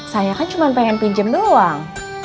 saya kan cuma pengen pinjam doang